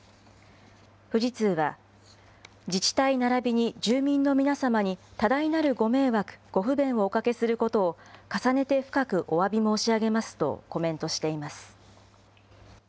富士通は、自治体ならびに住民の皆様に多大なるご迷惑、ご不便をおかけすることを重ねて深くおわび申し上げますとコメントしています。